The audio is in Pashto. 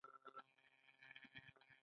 کاناډا د مالیې اداره لري.